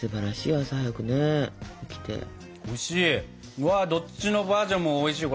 うわっどっちのバージョンもおいしいよ